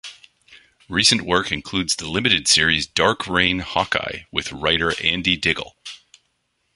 Recent work includes the limited series "Dark Reign: Hawkeye", with writer Andy Diggle.